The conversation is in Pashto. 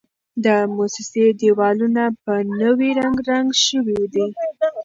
د موسسې دېوالونه په نوي رنګ رنګ شوي دي.